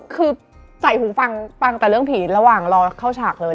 คือใส่หูฟังฟังแต่เรื่องผีระหว่างรอเข้าฉากเลย